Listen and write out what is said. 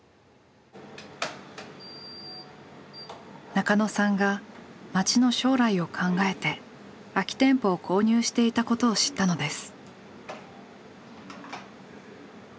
中野さんが街の将来を考えて空き店舗を購入していたことを知ったのです。